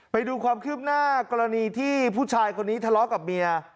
ไปดูความคืบหน้ากรณีที่ผู้ชายคนนี้ทะเลาะกับเมีย